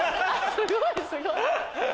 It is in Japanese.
すごいすごい。